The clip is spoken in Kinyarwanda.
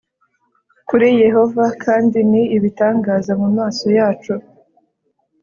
Kuri yehova kandi ni ibitangaza mu maso yacu